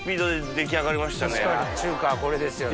中華はこれですよね。